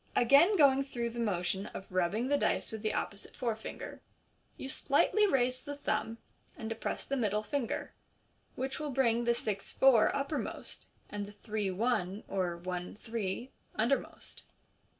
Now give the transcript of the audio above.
Again going through the motion of rubbing the dice with the opposite fore finger, you slightly raise the thumb and depress the middle finger, which will bring the " six four " uppermost, and the " three one " or " qne three " undermost.